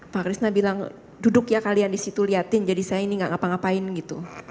pak krisna bilang duduk ya kalian di situ lihatin jadi saya ini gak ngapa ngapain gitu